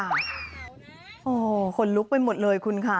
โอ้โหคนลุกไปหมดเลยคุณค่ะ